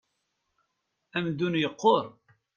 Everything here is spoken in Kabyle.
Amdun yequṛ.